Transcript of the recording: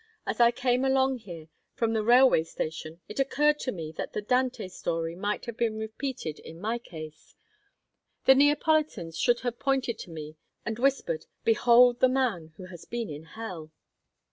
As I came along here from the railway station, it occurred to me that the Dante story might have been repeated in my case; the Neapolitans should have pointed at me and whispered, 'Behold the man who has been in hell!'"